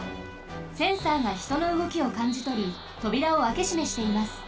センサーがひとのうごきをかんじとりとびらをあけしめしています。